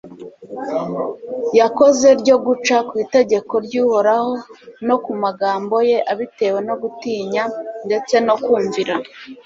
yakoze ryo guca ku itegeko ry'uhoraho no ku magambo ye, abitewe no gutinya ndetse no kumvira